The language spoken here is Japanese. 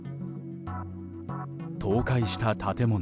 倒壊した建物。